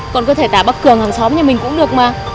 con có thể tả bác cường hàng xóm nhà mình cũng được mà